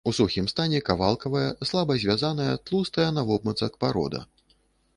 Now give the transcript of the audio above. У сухім стане кавалкавая, слаба звязаная, тлустая навобмацак парода.